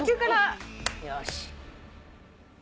よし。